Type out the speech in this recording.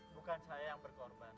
bukan saya yang berkorban